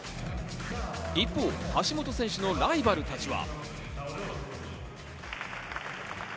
一方、橋本選手のライバルたちは。